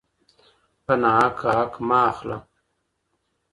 په ناحقه حق مه اخله.